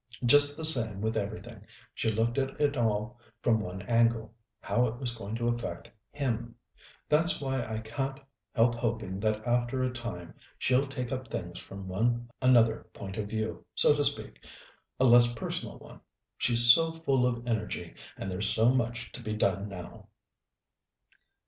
Just the same with everything; she looked at it all from one angle, how it was going to affect him. That's why I can't help hoping that after a time she'll take up things from another point of view, so to speak a less personal one. She's so full of energy, and there's so much to be done now."